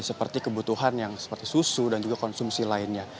seperti kebutuhan yang seperti susu dan juga konsumsi lainnya